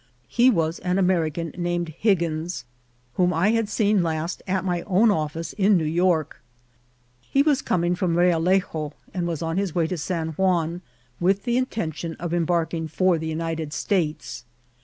He was an American named Higgins, whom I had seen last at my own office in New York. He was coming from Real ejo, and was on his way to San Juan, with the intention of embarking for the United States.